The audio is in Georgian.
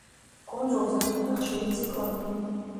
კუნძულზე ხდება ხშირი ციკლონები.